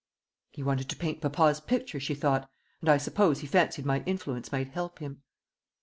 "He wanted to paint papa's picture," she thought, "and I suppose he fancied my influence might help him."